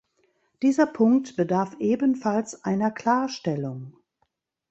Dieser Punkt bedarf ebenfalls einer Klarstellung.